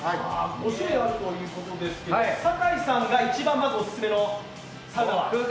５種類あるということですけれども、酒井さんがオススメのサウナは？